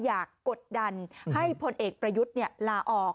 กดดันให้พลเอกประยุทธ์ลาออก